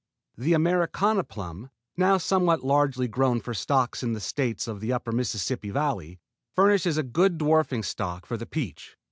The Americana plum, now somewhat largely grown for stocks in the States of the upper Mississippi valley, furnishes a good dwarfing stock for the peach.